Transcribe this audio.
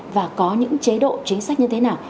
và có những chế độ chính sách như thế nào